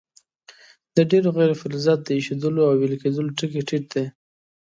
د ډیرو غیر فلزاتو د ایشېدلو او ویلي کیدلو ټکي ټیټ دي.